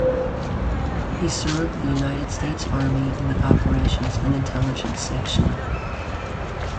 He served in the United States Army in the operations and intelligence section.